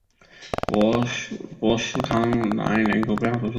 博斯康南人口变化图示